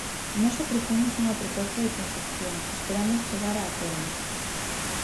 Nós ofrecemos unha proposta de transacción, esperamos chegar a acordos.